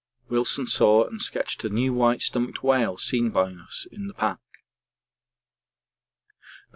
Wilson saw and sketched the new white stomached whale seen by us in the pack. At 8.